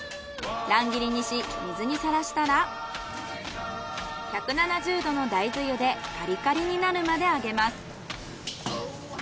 乱切りにし水にさらしたら１７０℃の大豆油でカリカリになるまで揚げます。